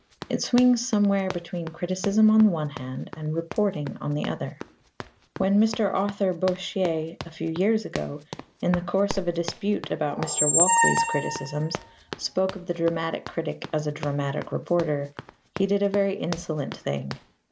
It swings somewhere between criticism on the one hand and reporting on the other. When Mr. Arthur Bourchier a few years ago, in the course of a dispute about Mr. Walkley's criticisms, spoke of the dramatic critic as a dramatic reporter, he did a very insolent thing.